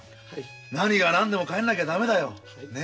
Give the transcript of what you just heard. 何が何でも帰んなきゃダメだよ。ね？